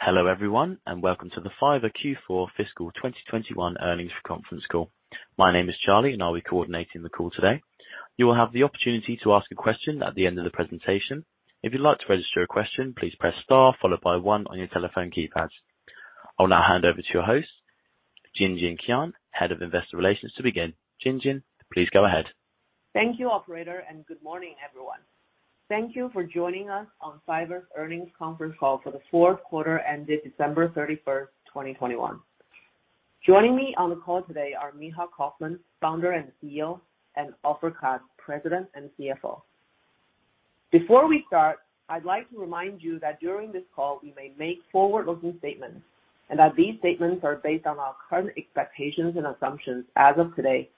Hello everyone, and welcome to the Fiverr Q4 Fiscal 2021 Earnings Conference Call. My name is Charlie and I'll be coordinating the call today. You will have the opportunity to ask a question at the end of the presentation. If you'd like to register your question, please press star followed by 1 on your telephone keypads. I'll now hand over to your host, Jinjin Qian, Head of Investor Relations, to begin. Jinjin, please go ahead. Thank you operator, and good morning, everyone. Thank you for joining us on Fiverr's earnings conference call for the fourth quarter ended December 31, 2021. Joining me on the call today are Micha Kaufman, Founder and CEO, and Ofer Katz, President and CFO. Before we start, I'd like to remind you that during this call we may make forward-looking statements and that these statements are based on our current expectations and assumptions as of today,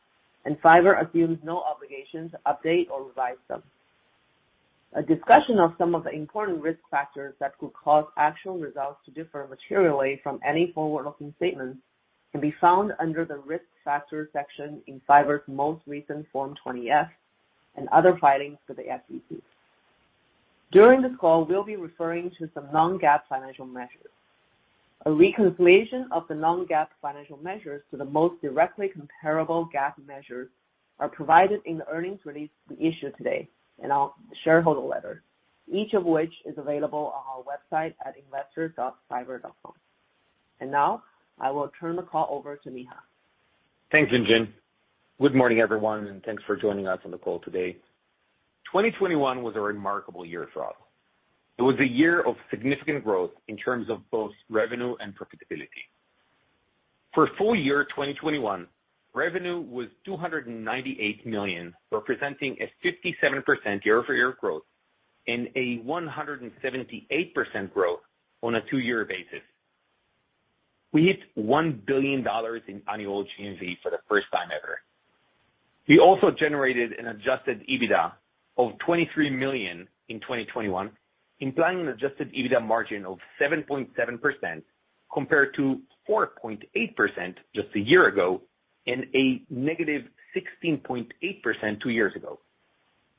and Fiverr assumes no obligation to update or revise them. A discussion of some of the important risk factors that could cause actual results to differ materially from any forward-looking statements can be found under the Risk Factors section in Fiverr's most recent Form 20-F and other filings to the SEC. During this call, we'll be referring to some non-GAAP financial measures. A reconciliation of the non-GAAP financial measures to the most directly comparable GAAP measures are provided in the earnings release we issued today in our shareholder letter, each of which is available on our website at investor.fiverr.com. Now I will turn the call over to Micha. Thanks, Jinjin. Good morning, everyone, and thanks for joining us on the call today. 2021 was a remarkable year for all. It was a year of significant growth in terms of both revenue and profitability. For full year 2021, revenue was $298 million, representing a 57% year-over-year growth and a 178% growth on a two-year basis. We hit $1 billion in annual GMV for the first time ever. We also generated an Adjusted EBITDA of $23 million in 2021, implying an Adjusted EBITDA margin of 7.7% compared to 4.8% just a year ago and a -16.8% two years ago.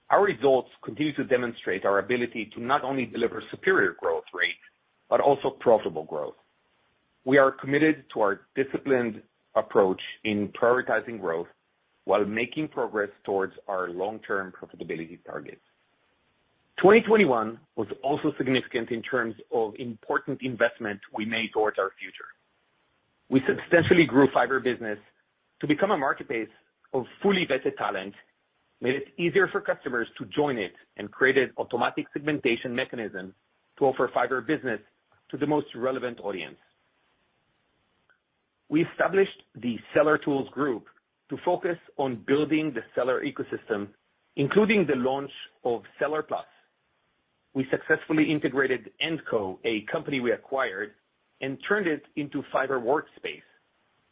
Our results continue to demonstrate our ability to not only deliver superior growth rates but also profitable growth. We are committed to our disciplined approach in prioritizing growth while making progress towards our long-term profitability targets. 2021 was also significant in terms of important investment we made towards our future. We substantially grew Fiverr Business to become a marketplace of fully vetted talent, made it easier for customers to join it, and created automatic segmentation mechanism to offer Fiverr Business to the most relevant audience. We established the Seller Tools Group to focus on building the seller ecosystem, including the launch of Seller Plus. We successfully integrated AND.CO, a company we acquired, and turned it into Fiverr Workspace,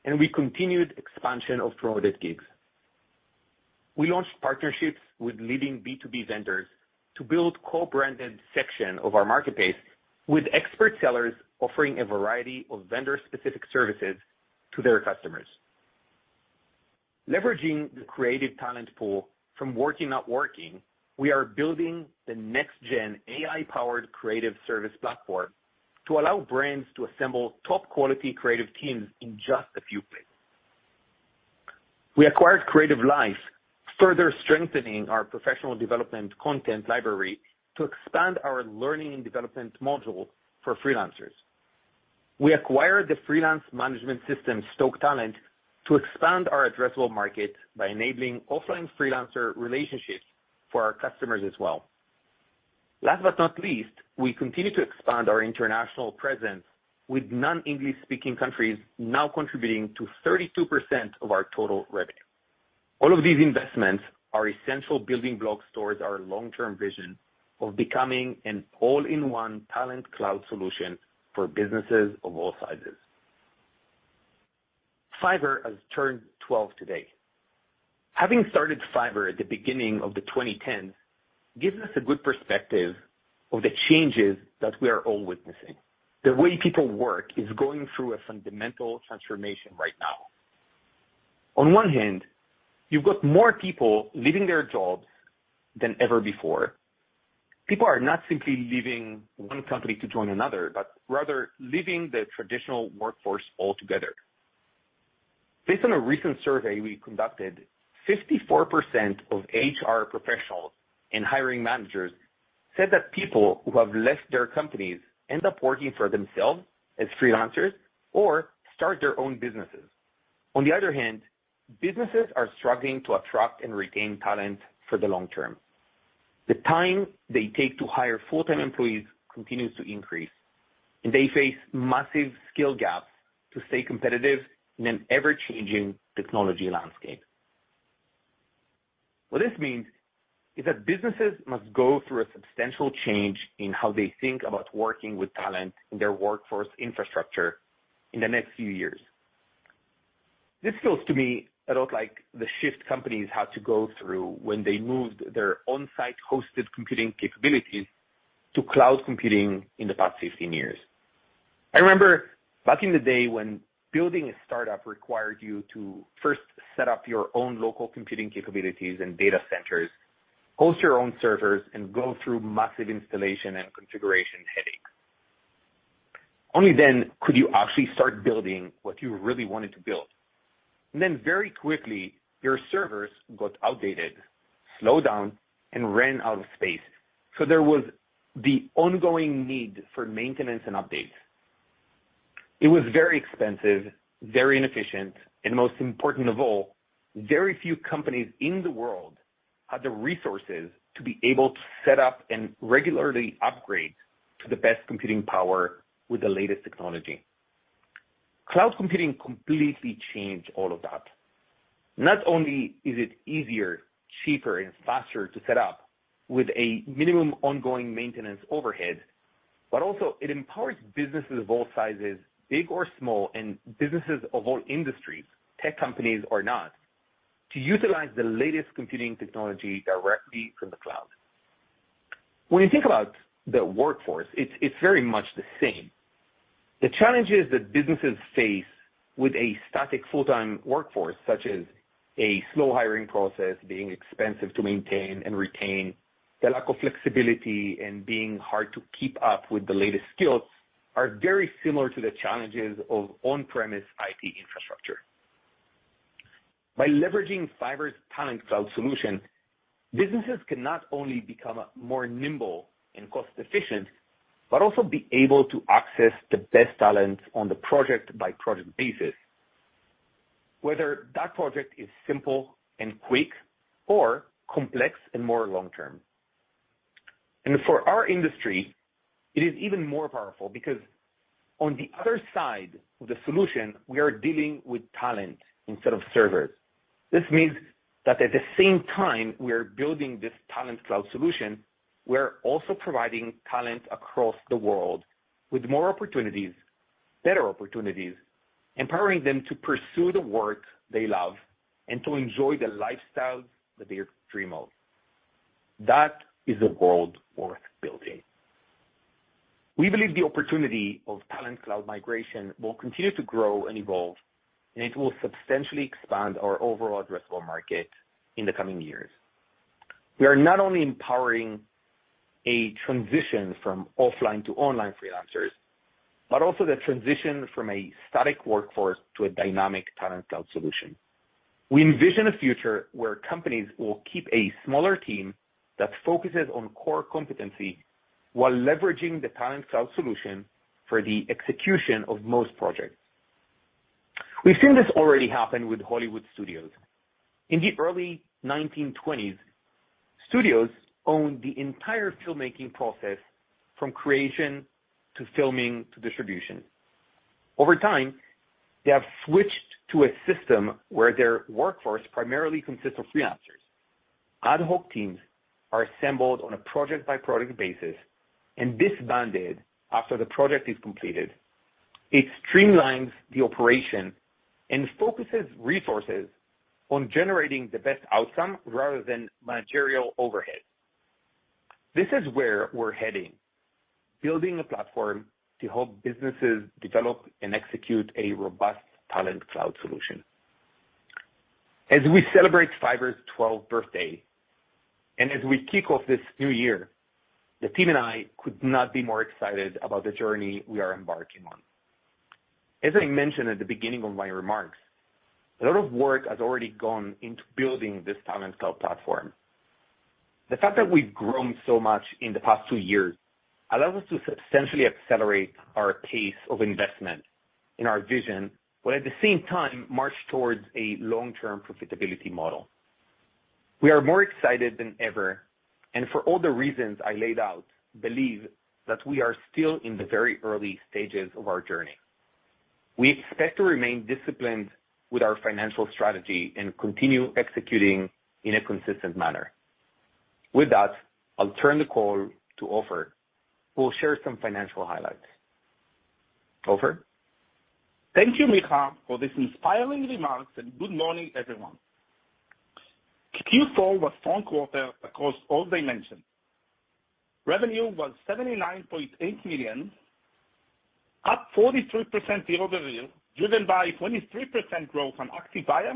and we continued expansion of Promoted Gigs. We launched partnerships with leading B2B vendors to build co-branded section of our marketplace with expert sellers offering a variety of vendor-specific services to their customers. Leveraging the creative talent pool from Working Not Working, we are building the next-gen AI-powered creative service platform to allow brands to assemble top-quality creative teams in just a few clicks. We acquired CreativeLive, further strengthening our professional development content library to expand our learning and development module for freelancers. We acquired the freelance management system Stoke Talent to expand our addressable market by enabling offline freelancer relationships for our customers as well. Last but not least, we continue to expand our international presence with non-English speaking countries now contributing to 32% of our total revenue. All of these investments are essential building blocks towards our long-term vision of becoming an all-in-one Talent Cloud solution for businesses of all sizes. Fiverr has turned 12 today. Having started Fiverr at the beginning of 2010 gives us a good perspective of the changes that we are all witnessing. The way people work is going through a fundamental transformation right now. On one hand, you've got more people leaving their jobs than ever before. People are not simply leaving one company to join another, but rather leaving the traditional workforce altogether. Based on a recent survey we conducted, 54% of HR professionals and hiring managers said that people who have left their companies end up working for themselves as freelancers or start their own businesses. On the other hand, businesses are struggling to attract and retain talent for the long term. The time they take to hire full-time employees continues to increase, and they face massive skill gaps to stay competitive in an ever-changing technology landscape. What this means is that businesses must go through a substantial change in how they think about working with talent in their workforce infrastructure in the next few years. This feels to me a lot like the shift companies had to go through when they moved their on-site hosted computing capabilities to cloud computing in the past 15 years. I remember back in the day when building a startup required you to first set up your own local computing capabilities and data centers, host your own servers, and go through massive installation and configuration headache. Only then could you actually start building what you really wanted to build. Very quickly, your servers got outdated, slowed down, and ran out of space. There was the ongoing need for maintenance and updates. It was very expensive, very inefficient, and most important of all, very few companies in the world had the resources to be able to set up and regularly upgrade to the best computing power with the latest technology. Cloud computing completely changed all of that. Not only is it easier, cheaper, and faster to set up with a minimum ongoing maintenance overhead, but also it empowers businesses of all sizes, big or small, and businesses of all industries, tech companies or not, to utilize the latest computing technology directly from the cloud. When you think about the workforce, it's very much the same. The challenges that businesses face with a static full-time workforce, such as a slow hiring process, being expensive to maintain and retain, the lack of flexibility, and being hard to keep up with the latest skills are very similar to the challenges of on-premise IT infrastructure. By leveraging Fiverr's Talent Cloud solution, businesses can not only become more nimble and cost efficient, but also be able to access the best talent on the project-by-project basis, whether that project is simple and quick or complex and more long term. For our industry, it is even more powerful because on the other side of the solution, we are dealing with talent instead of servers. This means that at the same time we are building this Talent Cloud solution, we're also providing talent across the world with more opportunities, better opportunities, empowering them to pursue the work they love and to enjoy the lifestyles that they dream of. That is a world worth building. We believe the opportunity of Talent Cloud migration will continue to grow and evolve, and it will substantially expand our overall addressable market in the coming years. We are not only empowering a transition from offline to online freelancers, but also the transition from a static workforce to a dynamic Talent Cloud solution. We envision a future where companies will keep a smaller team that focuses on core competency while leveraging the Talent Cloud solution for the execution of most projects. We've seen this already happen with Hollywood studios. In the early 1920s, studios owned the entire filmmaking process, from creation to filming to distribution. Over time, they have switched to a system where their workforce primarily consists of freelancers. Ad hoc teams are assembled on a project-by-project basis and disbanded after the project is completed. It streamlines the operation and focuses resources on generating the best outcome rather than managerial overhead. This is where we're heading, building a platform to help businesses develop and execute a robust Talent Cloud solution. As we celebrate Fiverr's 12th birthday, and as we kick off this new year, the team and I could not be more excited about the journey we are embarking on. As I mentioned at the beginning of my remarks, a lot of work has already gone into building this Talent Cloud platform. The fact that we've grown so much in the past two years allows us to substantially accelerate our pace of investment in our vision, while at the same time march towards a long-term profitability model. We are more excited than ever, and for all the reasons I laid out, believe that we are still in the very early stages of our journey. We expect to remain disciplined with our financial strategy and continue executing in a consistent manner. With that, I'll turn the call to Ofer who'll share some financial highlights. Ofer? Thank you, Micha, for these inspiring remarks and good morning, everyone. Q4 was strong quarter across all dimensions. Revenue was $79.8 million, up 43% year-over-year, driven by 23% growth on active buyer,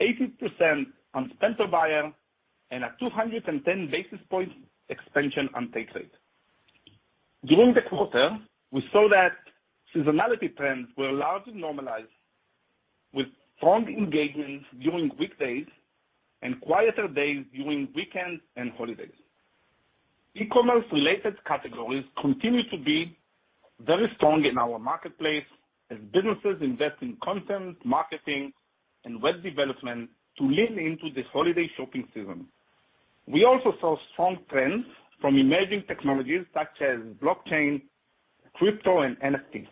80% on spend per buyer, and a 210 basis point expansion on take rate. During the quarter, we saw that seasonality trends were largely normalized with strong engagement during weekdays and quieter days during weekends and holidays. E-commerce related categories continue to be very strong in our marketplace as businesses invest in content, marketing, and web development to lean into the holiday shopping season. We also saw strong trends from emerging technologies such as blockchain, crypto, and NFT.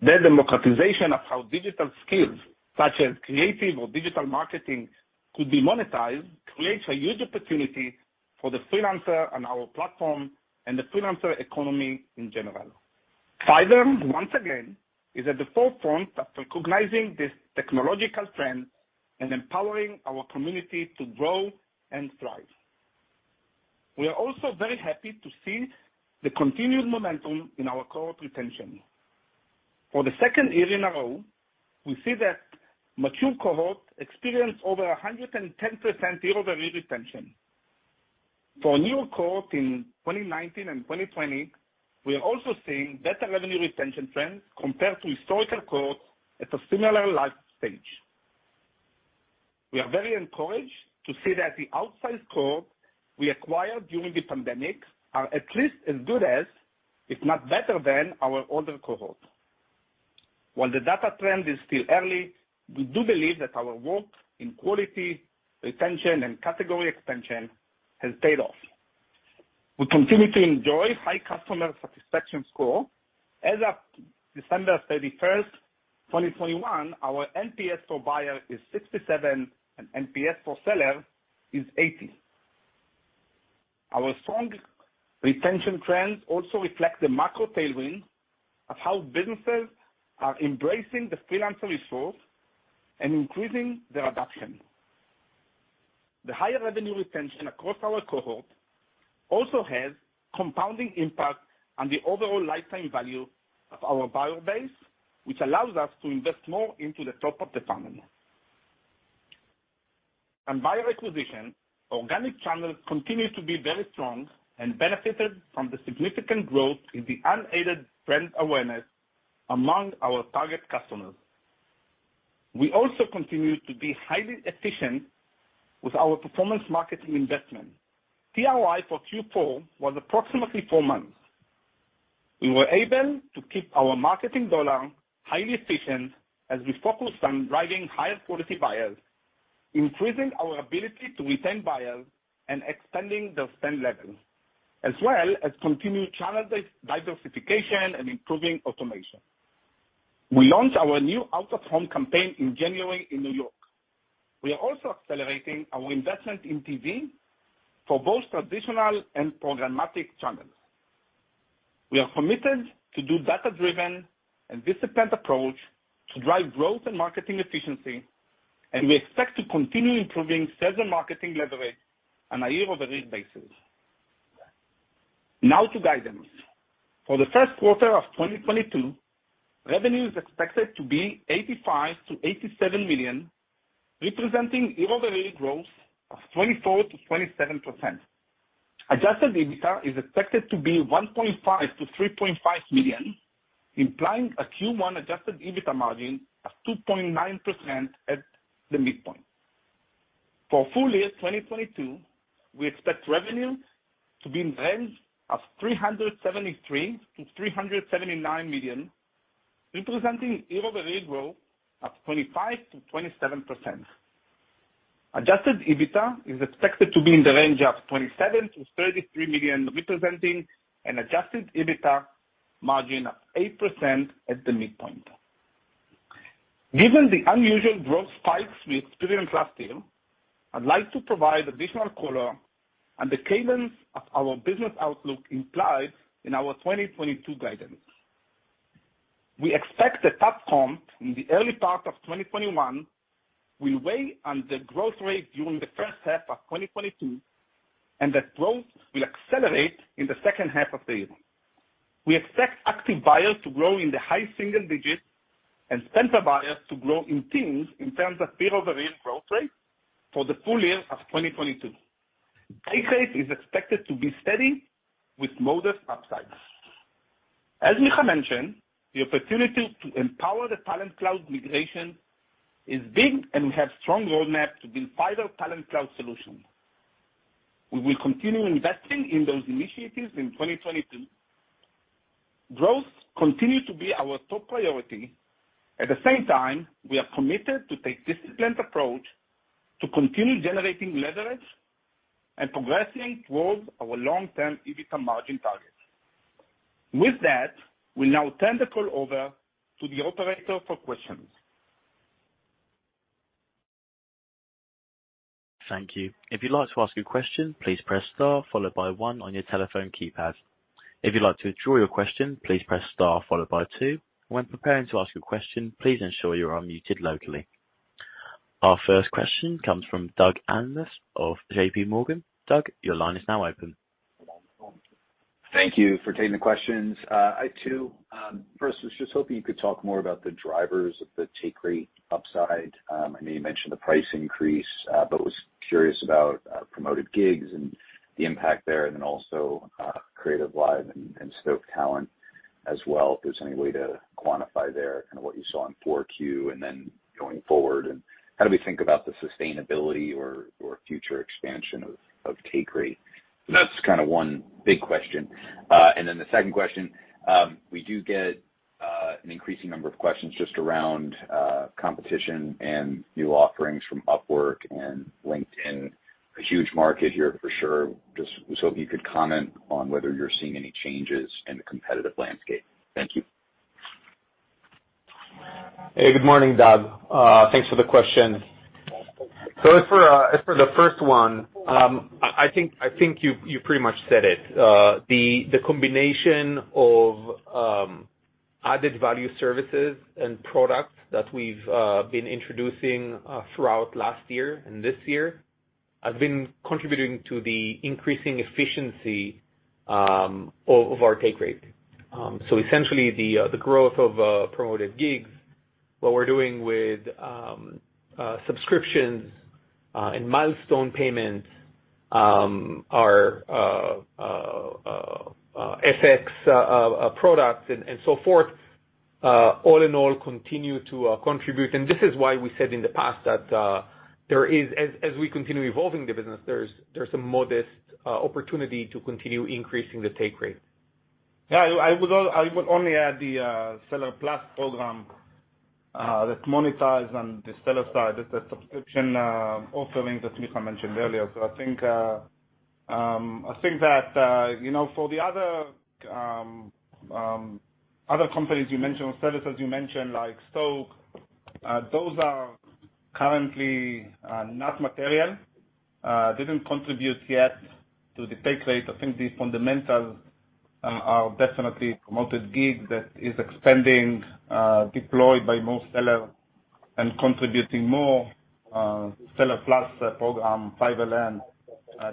Their democratization of how digital skills such as creative or digital marketing could be monetized creates a huge opportunity for the freelancer on our platform and the freelancer economy in general. Fiverr, once again, is at the forefront of recognizing this technological trend and empowering our community to grow and thrive. We are also very happy to see the continued momentum in our cohort retention. For the second year in a row, we see that mature cohort experienced over 110% year-over-year retention. For new cohort in 2019 and 2020, we are also seeing better revenue retention trends compared to historical cohorts at a similar life stage. We are very encouraged to see that the outsized cohort we acquired during the pandemic are at least as good as, if not better than, our older cohort. While the data trend is still early, we do believe that our work in quality, retention, and category expansion has paid off. We continue to enjoy high customer satisfaction score. As of December 31, 2021, our NPS for buyer is 67, and NPS for seller is 80. Our strong retention trends also reflect the macro tailwind of how businesses are embracing the freelancer resource and increasing their adoption. The higher revenue retention across our cohort also has compounding impact on the overall lifetime value of our buyer base, which allows us to invest more into the top of the funnel. On buyer acquisition, organic channels continue to be very strong and benefited from the significant growth in the unaided brand awareness among our target customers. We also continue to be highly efficient with our performance marketing investment. ROI for Q4 was approximately four months. We were able to keep our marketing dollar highly efficient as we focused on driving higher quality buyers, increasing our ability to retain buyers, and expanding their spend levels, as well as continued channel diversification and improving automation. We launched our new out-of-home campaign in January in New York. We are also accelerating our investment in TV for both traditional and programmatic channels. We are committed to a data-driven and disciplined approach to drive growth and marketing efficiency, and we expect to continue improving sales and marketing leverage on a year-over-year basis. Now to guidance. For the first quarter of 2022, revenue is expected to be $85 million-$87 million, representing year-over-year growth of 24%-27%. Adjusted EBITDA is expected to be $1.5 million-$3.5 million, implying a Q1 Adjusted EBITDA margin of 2.9% at the midpoint. For full year 2022, we expect revenue to be in the range of $373 million-$379 million, representing year-over-year growth of 25%-27%. Adjusted EBITDA is expected to be in the range of $27 million-$33 million, representing an Adjusted EBITDA margin of 8% at the midpoint. Given the unusual growth spikes we experienced last year, I'd like to provide additional color on the cadence of our business outlook implied in our 2022 guidance. We expect the tough comp in the early part of 2021 will weigh on the growth rate during the first half of 2022, and that growth will accelerate in the second half of the year. We expect active buyers to grow in the high single digits and spend per buyers to grow in teens in terms of year-over-year growth rate for the full year of 2022. Take rate is expected to be steady with modest upsides. As Micha mentioned, the opportunity to empower the Talent Cloud migration is big, and we have strong roadmap to build Fiverr Talent Cloud solution. We will continue investing in those initiatives in 2022. Growth continue to be our top priority. At the same time, we are committed to take disciplined approach to continue generating leverage and progressing towards our long-term EBITDA margin targets. With that, we now turn the call over to the operator for questions. Thank you. If you like to ask a question please press star followed by 1 on your telephone keypad. If you like to withdraw your question please press star followed by 2. When preparing to ask your question please ensure you're unmuted. Our first question comes from Doug Anmuth of J.P. Morgan. Doug, your line is now open. Thank you for taking the questions. I too first was just hoping you could talk more about the drivers of the take rate upside. I know you mentioned the price increase, but was curious about promoted gigs and the impact there, and then also CreativeLive and Stoke Talent as well, if there's any way to quantify there kind of what you saw in Q4 and then going forward. How do we think about the sustainability or future expansion of take rate? That's kind of one big question. Then the second question, we do get an increasing number of questions just around competition and new offerings from Upwork and LinkedIn. A huge market here for sure. Just was hoping you could comment on whether you're seeing any changes in the competitive landscape. Thank you. Hey, good morning, Doug. Thanks for the question. As for the first one, I think you pretty much said it. The combination of added value services and products that we've been introducing throughout last year and this year have been contributing to the increasing efficiency of our take rate. So essentially the growth of Promoted Gigs, what we're doing with subscriptions and milestone payments, our FX products and so forth, all in all continue to contribute. This is why we said in the past that there is, as we continue evolving the business, there's a modest opportunity to continue increasing the take rate. Yeah. I would only add the Seller Plus program that monetized on the seller side. That's a subscription offering that Micha mentioned earlier. I think that you know for the other companies you mentioned, services you mentioned, like Stoke Talent, those are currently not material, didn't contribute yet to the take rate. I think the fundamentals are definitely Promoted Gigs that is expanding, deployed by more seller and contributing more, Seller Plus program, Fiverr Learn.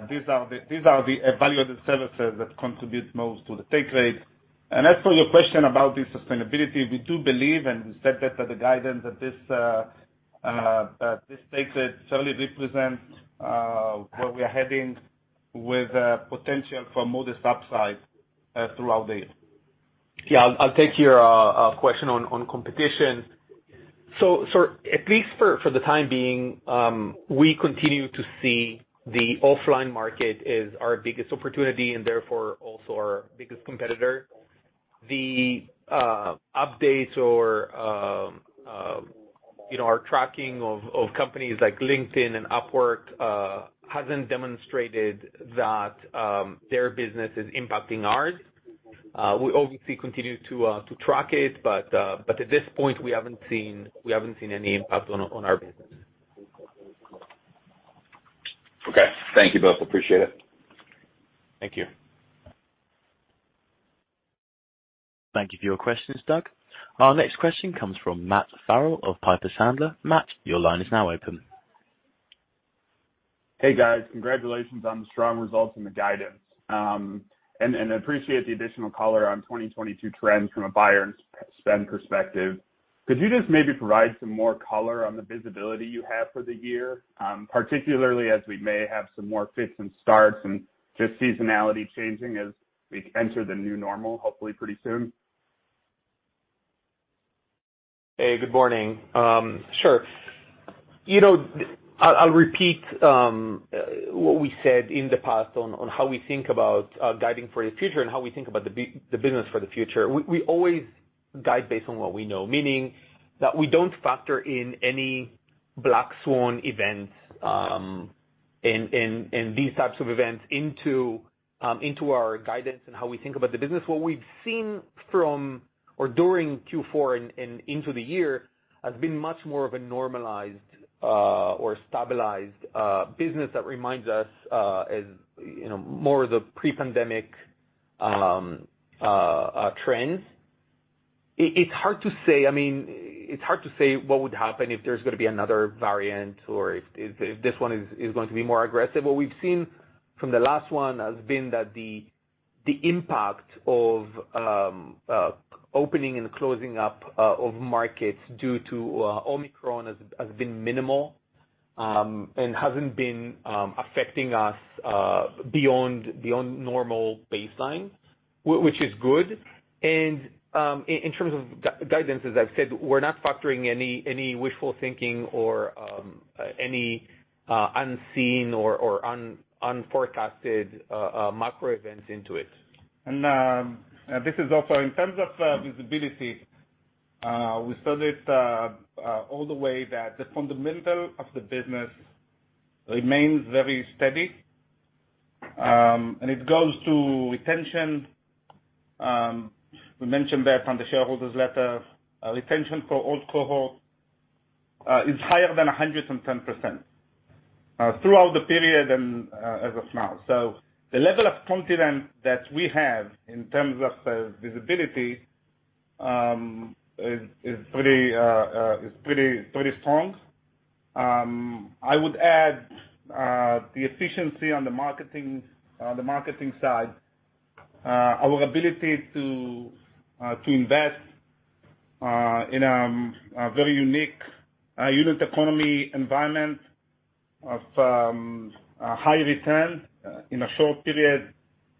These are the value-added services that contribute most to the take rate. As for your question about the sustainability, we do believe, and we said that at the guidance that this take rate certainly represents where we are heading with the potential for modest upside throughout the year. Yeah. I'll take your question on competition. At least for the time being, we continue to see the offline market as our biggest opportunity and therefore also our biggest competitor. The updates or, you know, our tracking of companies like LinkedIn and Upwork hasn't demonstrated that their business is impacting ours. We obviously continue to track it, but at this point, we haven't seen any impact on our business. Okay. Thank you both. Appreciate it. Thank you. Thank you for your questions, Doug. Our next question comes from Matt Farrell of Piper Sandler. Matt, your line is now open. Hey, guys. Congratulations on the strong results and the guidance. Appreciate the additional color on 2022 trends from a buyer and spend perspective. Could you just maybe provide some more color on the visibility you have for the year, particularly as we may have some more fits and starts and just seasonality changing as we enter the new normal, hopefully pretty soon? Hey, good morning. Sure. You know, I'll repeat what we said in the past on how we think about guiding for the future and how we think about the business for the future. We always guide based on what we know, meaning that we don't factor in any black swan events and these types of events into our guidance and how we think about the business. What we've seen from or during Q4 and into the year has been much more of a normalized or stabilized business that reminds us, as you know, more of the pre-pandemic trends. It's hard to say, I mean, what would happen if there's gonna be another variant or if this one is going to be more aggressive. What we've seen from the last one has been that the impact of opening and closing of markets due to Omicron has been minimal, and hasn't been affecting us beyond normal baseline, which is good. In terms of guidance, as I've said, we're not factoring any wishful thinking or any unseen or unforecasted macro events into it. This is also in terms of visibility. We saw that all the way that the fundamental of the business remains very steady. It goes to retention. We mentioned that on the shareholder letter. Retention for old cohort is higher than 110% throughout the period and as of now. The level of confidence that we have in terms of visibility is pretty strong. I would add the efficiency on the marketing side, our ability to invest in a very unique unit economics environment of a high return in a short period,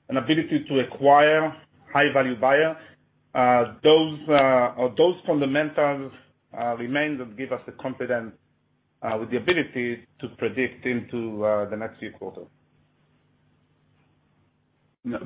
an ability to acquire high-value buyer. Those fundamentals remain that give us the confidence with the ability to predict into the next few quarters.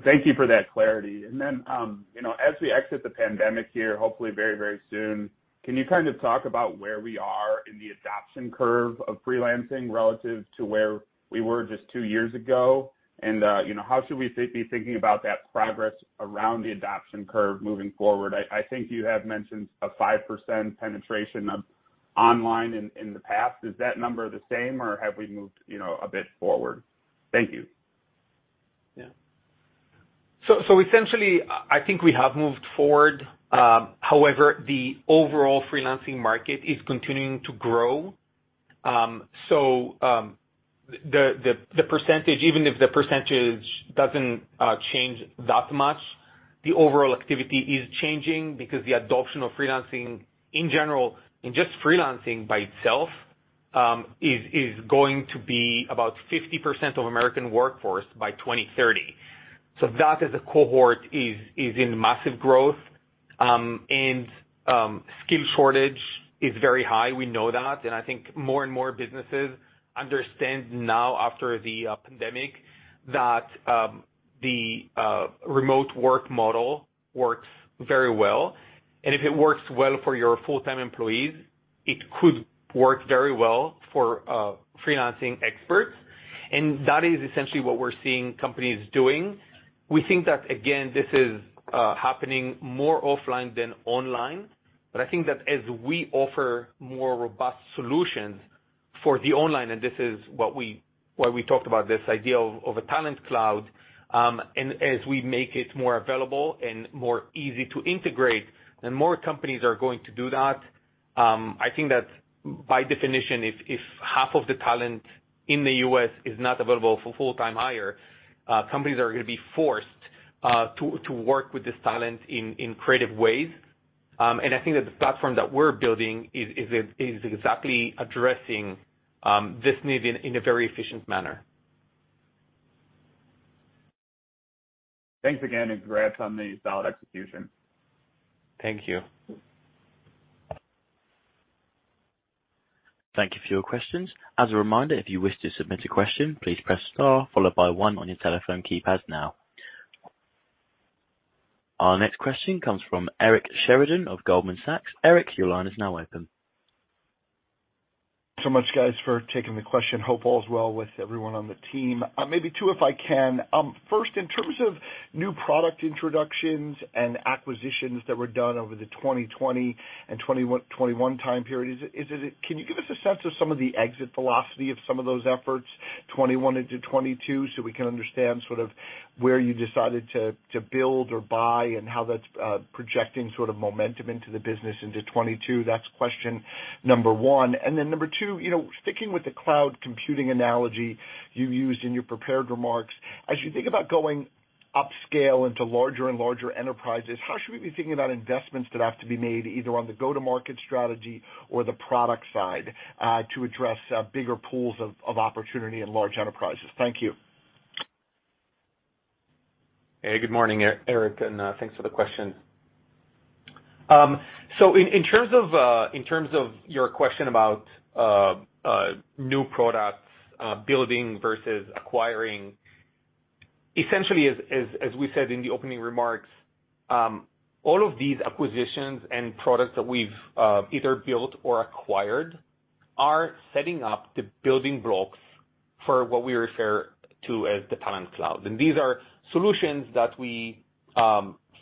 Thank you for that clarity. You know, as we exit the pandemic here, hopefully very, very soon, can you kind of talk about where we are in the adoption curve of freelancing relative to where we were just two years ago? You know, how should we be thinking about that progress around the adoption curve moving forward? I think you have mentioned a 5% penetration of online in the past. Is that number the same or have we moved, you know, a bit forward? Thank you. Yeah. Essentially I think we have moved forward. However, the overall freelancing market is continuing to grow. The percentage, even if the percentage doesn't change that much, the overall activity is changing because the adoption of freelancing in general, in just freelancing by itself, is going to be about 50% of American workforce by 2030. That as a cohort is in massive growth. Skill shortage is very high. We know that. I think more and more businesses understand now after the pandemic that the remote work model works very well. If it works well for your full-time employees, it could work very well for freelancing experts. That is essentially what we're seeing companies doing. We think that, again, this is happening more offline than online. I think that as we offer more robust solutions for the online, and this is what we talked about, this idea of a Talent Cloud, and as we make it more available and more easy to integrate, then more companies are going to do that. I think that by definition, if half of the talent in the U.S. is not available for full-time hire, companies are gonna be forced to work with this talent in creative ways. I think that the platform that we're building is exactly addressing this need in a very efficient manner. Thanks again, and congrats on the solid execution. Thank you. Thank you for your questions. As a reminder, if you wish to submit a question, please press star followed by 1 on your telephone keypad now. Our next question comes from Eric Sheridan of Goldman Sachs. Eric, your line is now open. So much, guys, for taking the question. Hope all is well with everyone on the team. Maybe two, if I can. First, in terms of new product introductions and acquisitions that were done over the 2020 and 2021 time period, can you give us a sense of some of the exit velocity of some of those efforts, 2021 into 2022 so we can understand sort of where you decided to build or buy and how that's projecting sort of momentum into the business into 2022? That's question number one. Then number two, you know, sticking with the cloud computing analogy you used in your prepared remarks. As you think about going upscale into larger and larger enterprises, how should we be thinking about investments that have to be made either on the go-to-market strategy or the product side, to address, bigger pools of opportunity in large enterprises? Thank you. Hey, good morning, Eric, and thanks for the question. So in terms of your question about new products, building versus acquiring, essentially as we said in the opening remarks, all of these acquisitions and products that we've either built or acquired are setting up the building blocks for what we refer to as the Talent Cloud. These are solutions that we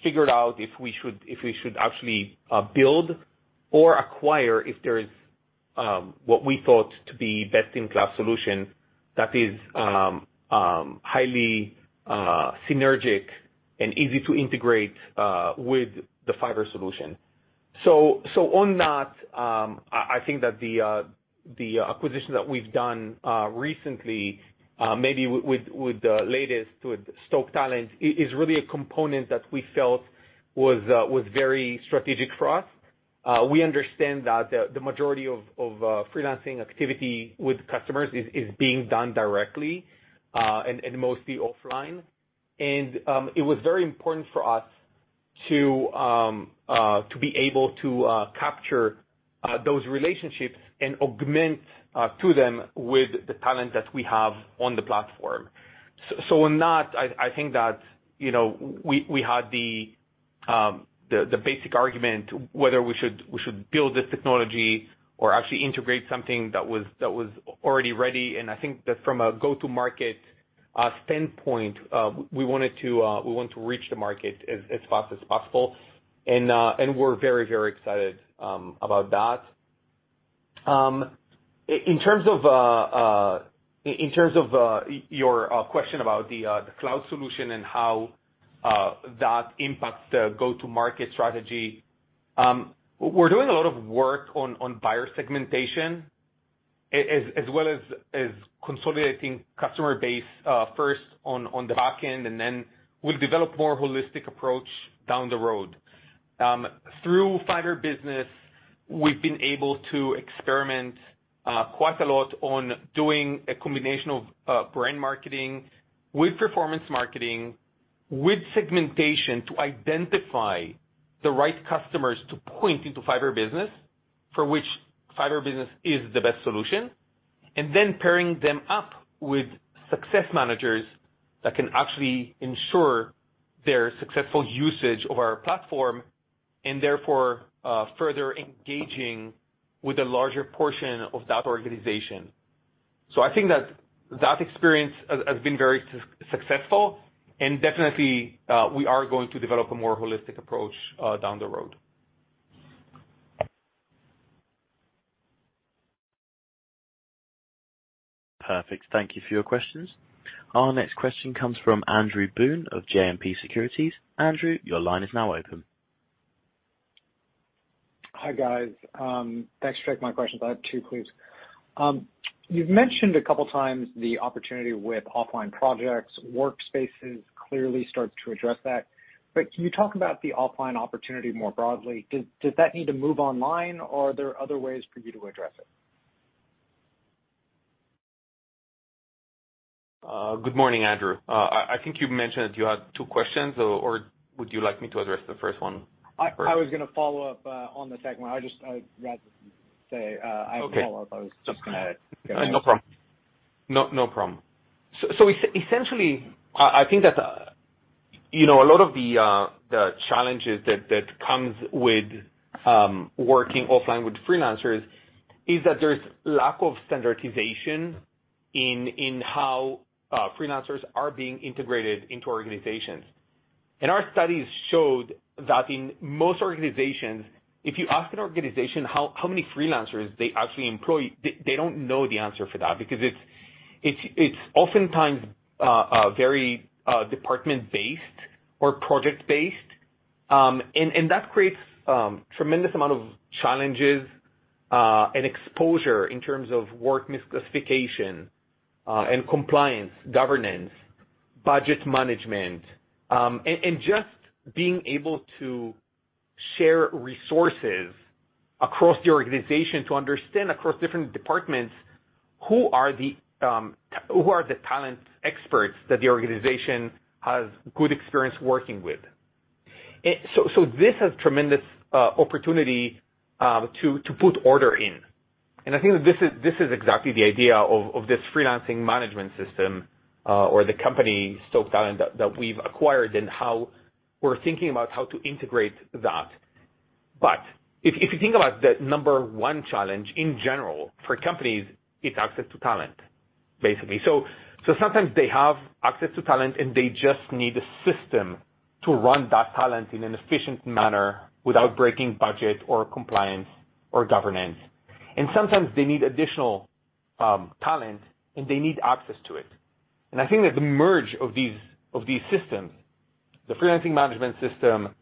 figured out if we should actually build or acquire if there is what we thought to be best in class solution that is highly synergic and easy to integrate with the Fiverr solution. On that, I think that the acquisition that we've done recently, maybe with the latest with Stoke Talent is really a component that we felt was very strategic for us. We understand that the majority of freelancing activity with customers is being done directly and mostly offline. It was very important for us to be able to capture those relationships and augment to them with the talent that we have on the platform. On that, I think that, you know, we had the basic argument whether we should build this technology or actually integrate something that was already ready. I think that from a go-to-market standpoint, we want to reach the market as fast as possible. We're very excited about that. In terms of your question about the cloud solution and how that impacts the go-to-market strategy, we're doing a lot of work on buyer segmentation as well as consolidating customer base first on the back end, and then we'll develop more holistic approach down the road. Through Fiverr Business, we've been able to experiment quite a lot on doing a combination of brand marketing with performance marketing, with segmentation to identify the right customers to point into Fiverr Business for which Fiverr Business is the best solution, and then pairing them up with success managers that can actually ensure their successful usage of our platform and therefore further engaging with a larger portion of that organization. I think that experience has been very successful, and definitely we are going to develop a more holistic approach down the road. Perfect. Thank you for your questions. Our next question comes from Andrew Boone of JMP Securities. Andrew, your line is now open. Hi, guys. Thanks for taking my questions. I have two, please. You've mentioned a couple of times the opportunity with offline projects. Workspaces clearly starts to address that. Can you talk about the offline opportunity more broadly? Does that need to move online or are there other ways for you to address it? Good morning, Andrew. I think you mentioned that you had two questions or would you like me to address the first one first? I was gonna follow up on the second one. I'd rather say I have a follow-up. I was just gonna- Okay. No problem. Essentially, I think that, you know, a lot of the challenges that comes with working offline with freelancers is that there's lack of standardization in how freelancers are being integrated into organizations. Our studies showed that in most organizations, if you ask an organization how many freelancers they actually employ, they don't know the answer for that because it's oftentimes very department-based or project-based. That creates tremendous amount of challenges and exposure in terms of work misclassification and compliance, governance, budget management. Just being able to share resources across the organization to understand across different departments who are the talent experts that the organization has good experience working with. This has tremendous opportunity to put order in. I think this is exactly the idea of this freelancing management system or the company, Stoke Talent, that we've acquired and how we're thinking about how to integrate that. If you think about the number one challenge in general for companies, it's access to talent, basically. Sometimes they have access to talent, and they just need a system to run that talent in an efficient manner without breaking budget or compliance or governance. Sometimes they need additional talent, and they need access to it. I think that the merge of these systems, the freelancing management system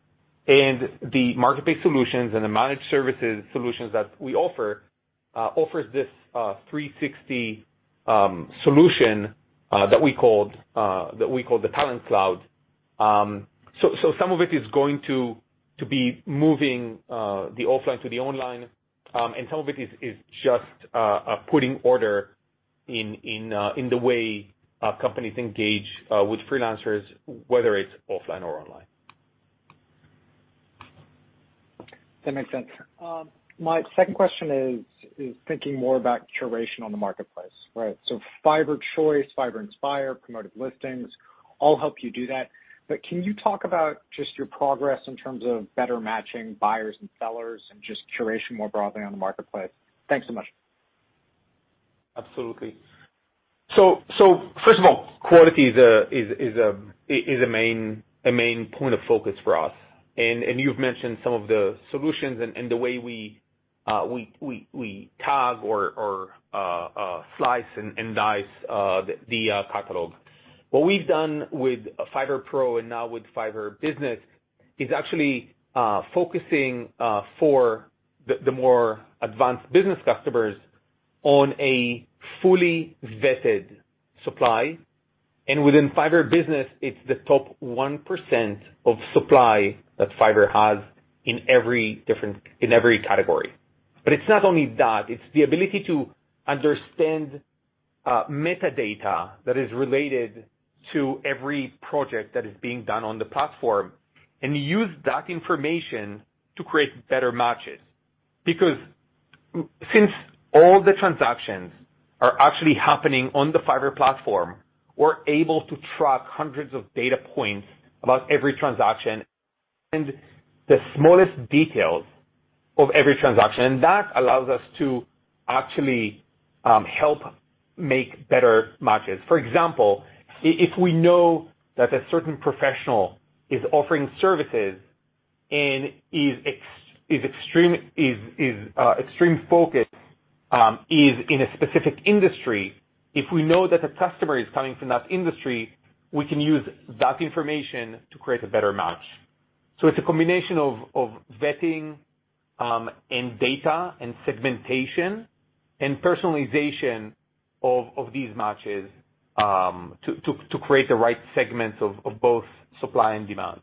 and the marketplace solutions and the managed services solutions that we offer, offers this 360 solution that we call the Talent Cloud. So some of it is going to be moving the offline to the online, and some of it is just putting order in the way companies engage with freelancers, whether it's offline or online. That makes sense. My second question is thinking more about curation on the marketplace, right? Fiverr's Choice, Fiverr Inspire, Promoted Gigs, all help you do that. Can you talk about just your progress in terms of better matching buyers and sellers and just curation more broadly on the marketplace? Thanks so much. Absolutely. First of all, quality is a main point of focus for us. You've mentioned some of the solutions and the way we tag or slice and dice the catalog. What we've done with Fiverr Pro and now with Fiverr Business is actually focusing for the more advanced business customers on a fully vetted supply. Within Fiverr Business, it's the top 1% of supply that Fiverr has in every category. It's not only that, it's the ability to understand metadata that is related to every project that is being done on the platform and use that information to create better matches. Because since all the transactions are actually happening on the Fiverr platform, we're able to track hundreds of data points about every transaction and the smallest details of every transaction. That allows us to actually help make better matches. For example, if we know that a certain professional is offering services and is extremely focused in a specific industry, if we know that the customer is coming from that industry, we can use that information to create a better match. It's a combination of vetting and data and segmentation and personalization of these matches to create the right segments of both supply and demand.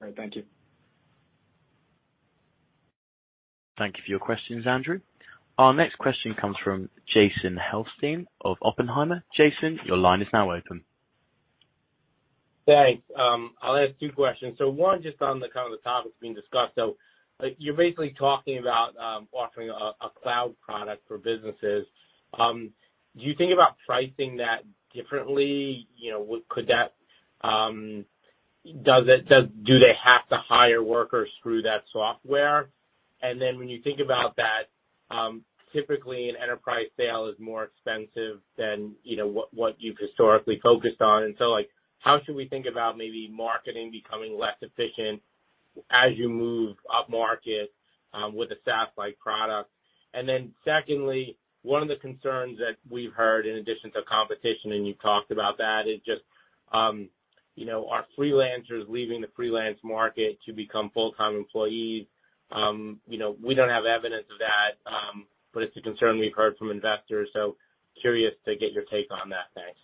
All right. Thank you. Thank you for your questions, Andrew. Our next question comes from Jason Helfstein of Oppenheimer. Jason, your line is now open. Thanks. I'll ask two questions. One, just on the kind of the topics being discussed, you're basically talking about offering a cloud product for businesses. Do you think about pricing that differently? You know, could that... Do they have to hire workers through that software? And then when you think about that, typically an enterprise sale is more expensive than, you know, what you've historically focused on. Like, how should we think about maybe marketing becoming less efficient as you move upmarket with a SaaS-like product? Secondly, one of the concerns that we've heard in addition to competition, and you talked about that, is just, you know, are freelancers leaving the freelance market to become full-time employees? You know, we don't have evidence of that, but it's a concern we've heard from investors. Curious to get your take on that. Thanks.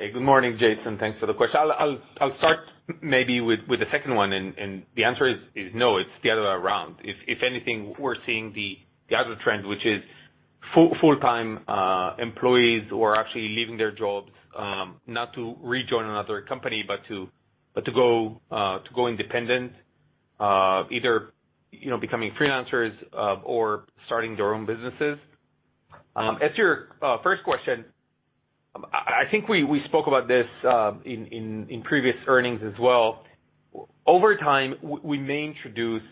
Hey, good morning, Jason. Thanks for the question. I'll start maybe with the second one, and the answer is no, it's the other way around. If anything, we're seeing the other trend, which is full-time employees who are actually leaving their jobs, not to rejoin another company, but to go independent, either, you know, becoming freelancers, or starting their own businesses. As to your first question, I think we spoke about this in previous earnings as well. Over time, we may introduce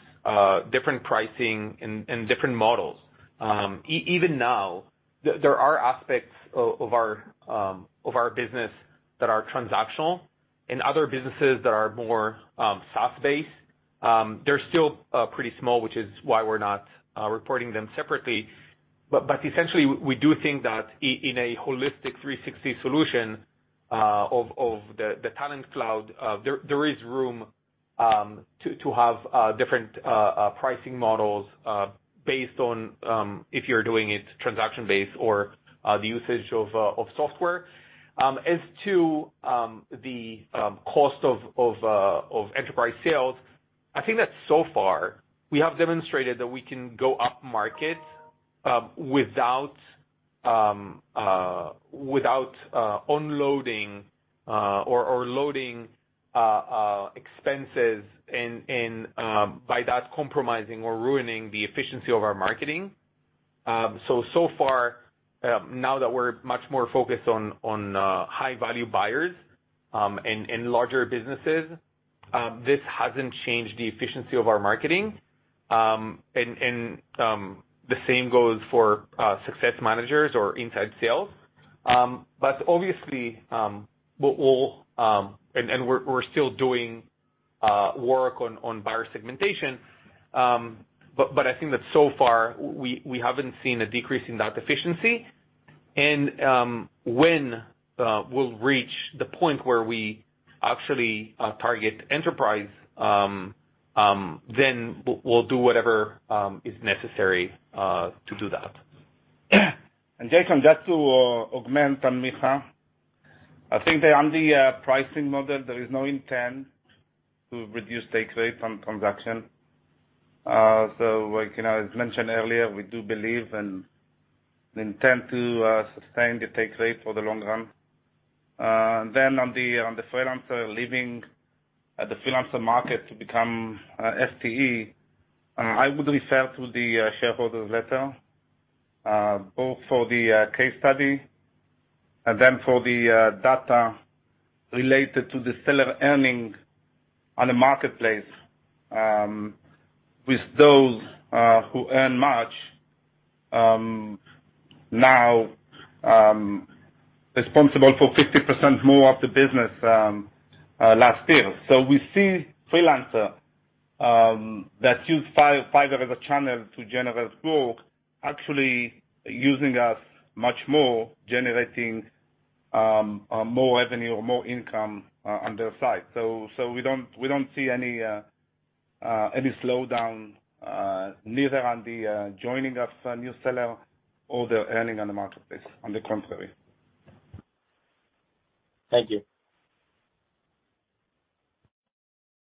different pricing and different models. Even now, there are aspects of our business that are transactional and other businesses that are more SaaS-based. They're still pretty small, which is why we're not reporting them separately. Essentially, we do think that in a holistic 360 solution of the Talent Cloud, there is room to have different pricing models based on if you're doing it transaction-based or the usage of software. As to the cost of enterprise sales, I think that so far we have demonstrated that we can go upmarket without unloading or loading expenses and by that compromising or ruining the efficiency of our marketing. So far, now that we're much more focused on high-value buyers and larger businesses, this hasn't changed the efficiency of our marketing. The same goes for success managers or inside sales. Obviously, we're still doing work on buyer segmentation. I think that so far we haven't seen a decrease in that efficiency. When we'll reach the point where we actually target enterprise, then we'll do whatever is necessary to do that. Jason, just to augment on Micha. I think that on the pricing model, there is no intent to reduce take rates on transaction. So like, you know, as mentioned earlier, we do believe and intend to sustain the take rate for the long run. Then on the freelancer leaving the freelancer market to become FTE, I would refer to the shareholders' letter, both for the case study and then for the data related to the seller earning on the marketplace, with those who earn much now responsible for 50% more of the business last year. So we see freelancer that use Fiverr as a channel to generate growth, actually using us much more, generating more revenue or more income on their side. We don't see any slowdown neither on the joining of new seller or the earning on the marketplace. On the contrary. Thank you.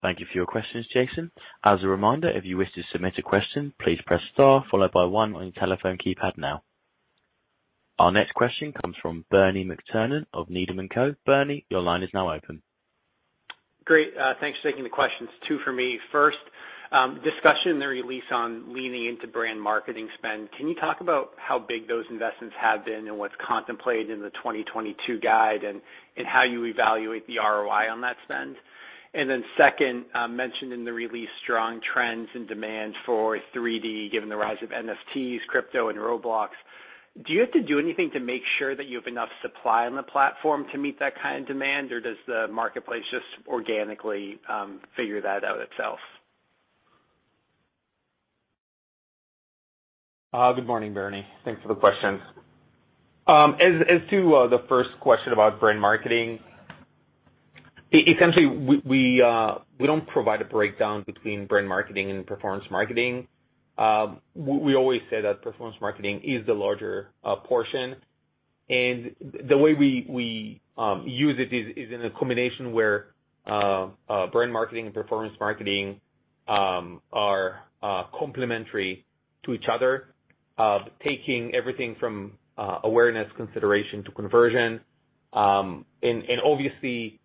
Thank you for your questions, Jason. As a reminder, if you wish to submit a question, please press star followed by 1 on your telephone keypad now. Our next question comes from Bernie McTernan of Needham & Company. Bernie, your line is now open. Great. Thanks for taking the questions. Two for me. First, discussion in the release on leaning into brand marketing spend. Can you talk about how big those investments have been and what's contemplated in the 2022 guide and how you evaluate the ROI on that spend? Then second, mentioned in the release, strong trends and demand for 3D, given the rise of NFTs, crypto and Roblox. Do you have to do anything to make sure that you have enough supply on the platform to meet that kind of demand, or does the marketplace just organically figure that out itself? Good morning, Bernie. Thanks for the questions. As to the first question about brand marketing, eventually, we don't provide a breakdown between brand marketing and performance marketing. We always say that performance marketing is the larger portion, and the way we use it is in a combination where brand marketing and performance marketing are complementary to each other, taking everything from awareness consideration to conversion. Obviously,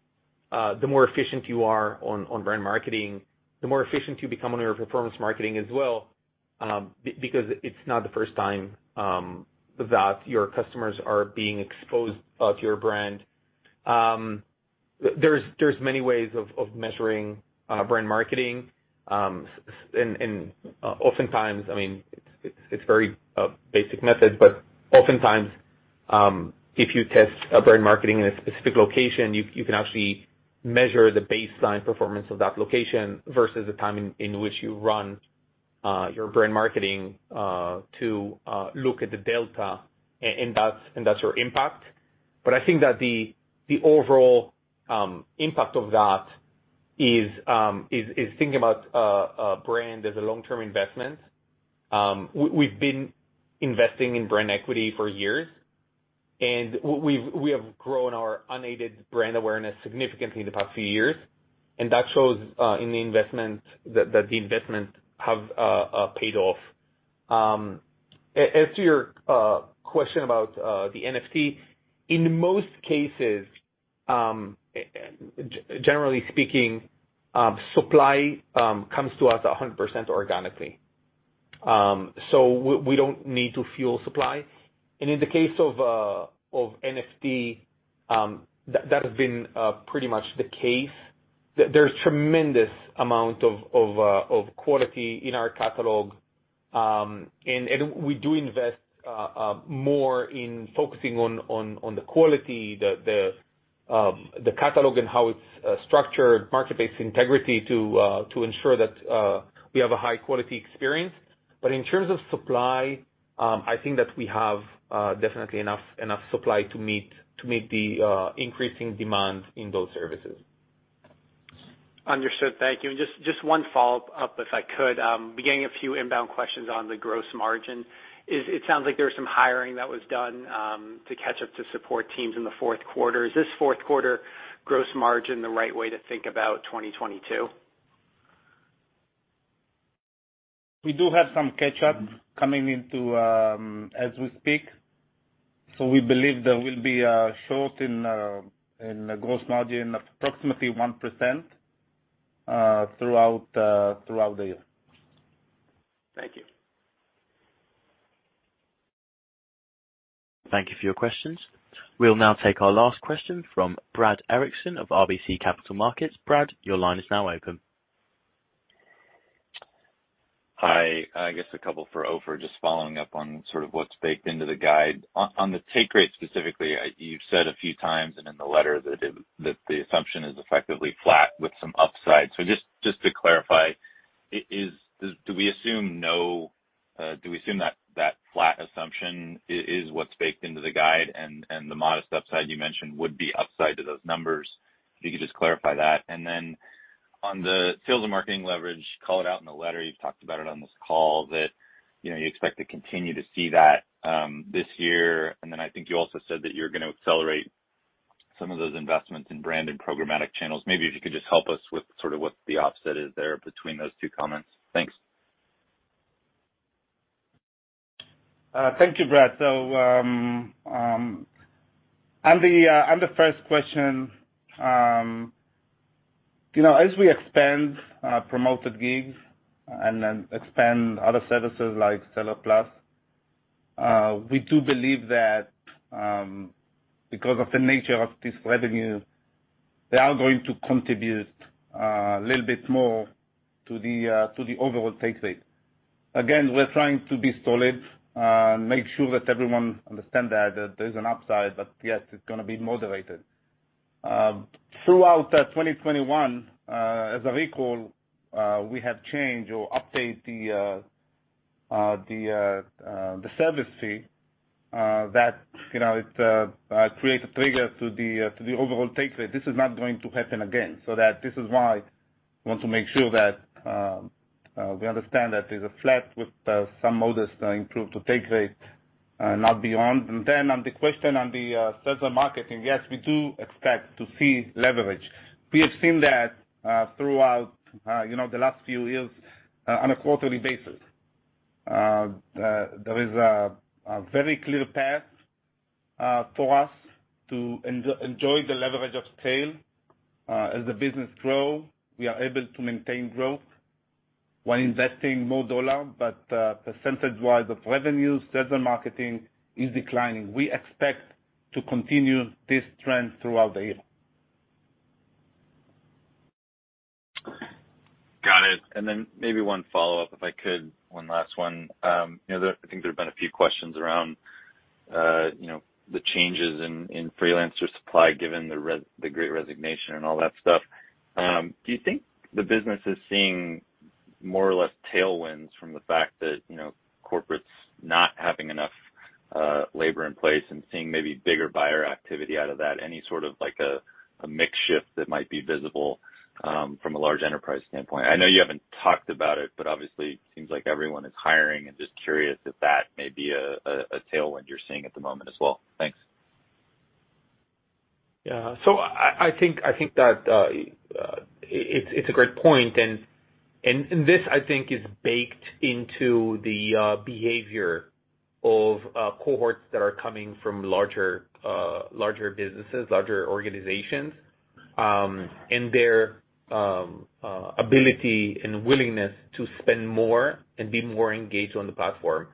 the more efficient you are on brand marketing, the more efficient you become on your performance marketing as well, because it's not the first time that your customers are being exposed to your brand. There's many ways of measuring brand marketing. Oftentimes, I mean, it's very basic method, but oftentimes if you test a brand marketing in a specific location, you can actually measure the baseline performance of that location versus the time in which you run your brand marketing to look at the delta and that's your impact. But I think that the overall impact of that is thinking about a brand as a long-term investment. We've been investing in brand equity for years, and we have grown our unaided brand awareness significantly in the past few years, and that shows in the investment that the investment have paid off. As to your question about the NFT, in most cases, generally speaking, supply comes to us 100% organically. We don't need to fuel supply. In the case of NFT, that has been pretty much the case. There's a tremendous amount of quality in our catalog, and we do invest more in focusing on the quality of the catalog and how it's structured, marketplace integrity to ensure that we have a high-quality experience. In terms of supply, I think that we have definitely enough supply to meet the increasing demand in those services. Understood. Thank you. Just one follow-up, if I could. Been getting a few inbound questions on the gross margin. It sounds like there was some hiring that was done, to catch up to support teams in the fourth quarter. Is this fourth quarter gross margin the right way to think about 2022? We do have some catch up coming into, as we speak, so we believe there will be a shortfall in gross margin of approximately 1% throughout the year. Thank you. Thank you for your questions. We'll now take our last question from Brad Erickson of RBC Capital Markets. Brad, your line is now open. Hi. I guess a couple for Ofer, just following up on sort of what's baked into the guide. On the take rate specifically, you've said a few times and in the letter that the assumption is effectively flat with some upside. Just to clarify, do we assume that that flat assumption is what's baked into the guide and the modest upside you mentioned would be upside to those numbers? If you could just clarify that. Then on the sales and marketing leverage, called it out in the letter, you've talked about it on this call that you know you expect to continue to see that this year. Then I think you also said that you're gonna accelerate some of those investments in brand and programmatic channels. Maybe if you could just help us with sort of what the offset is there between those two comments. Thanks. Thank you, Brad. On the first question, you know, as we expand Promoted Gigs and then expand other services like Seller Plus, we do believe that, because of the nature of this revenue, they are going to contribute a little bit more to the overall take rate. Again, we're trying to be solid, make sure that everyone understand that there's an upside, but yet it's gonna be moderated. Throughout 2021, as I recall, we have changed or update the service fee that, you know, it create a trigger to the overall take rate. This is not going to happen again. That this is why we want to make sure that we understand that there's a flat with some modest improved take rate, not beyond. Then on the question on the sales and marketing, yes, we do expect to see leverage. We have seen that throughout you know the last few years on a quarterly basis. There is a very clear path for us to enjoy the leverage of scale. As the business grow, we are able to maintain growth while investing more dollar, but percentage-wise of revenues, sales and marketing is declining. We expect to continue this trend throughout the year. Got it. Maybe one follow-up, if I could, one last one. You know, I think there have been a few questions around, you know, the changes in freelancer supply, given the Great Resignation and all that stuff. Do you think the business is seeing more or less tailwinds from the fact that, you know, corporates not having enough labor in place and seeing maybe bigger buyer activity out of that? Any sort of like a mix shift that might be visible from a large enterprise standpoint? I know you haven't talked about it, but obviously it seems like everyone is hiring and just curious if that may be a tailwind you're seeing at the moment as well. Thanks. Yeah, I think that it's a great point. This, I think, is baked into the behavior of cohorts that are coming from larger businesses, larger organizations, and their ability and willingness to spend more and be more engaged on the platform.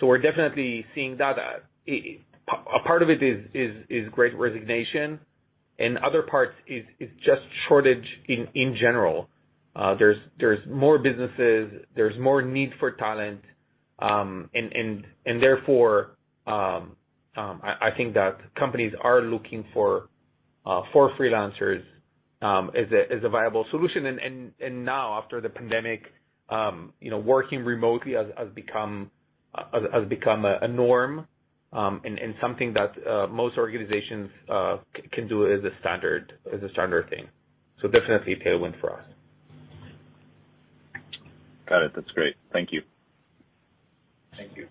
We're definitely seeing that. A part of it is Great Resignation, and other parts is just shortage in general. There's more businesses, there's more need for talent, and therefore, I think that companies are looking for freelancers, as a viable solution. Now after the pandemic, you know, working remotely has become a norm, and something that most organizations can do as a standard thing. Definitely a tailwind for us. Got it. That's great. Thank you. Thank you.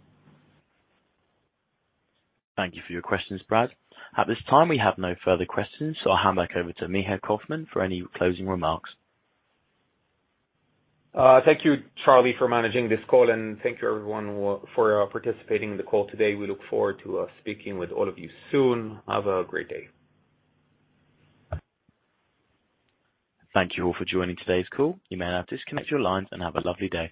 Thank you for your questions, Brad. At this time, we have no further questions, so I'll hand back over to Micha Kaufman for any closing remarks. Thank you, Charlie, for managing this call, and thank you everyone for participating in the call today. We look forward to speaking with all of you soon. Have a great day. Thank you all for joining today's call. You may now disconnect your lines and have a lovely day.